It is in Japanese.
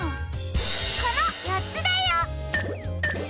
このよっつだよ！